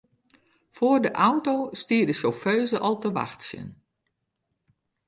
Foar de auto stie de sjauffeuze al te wachtsjen.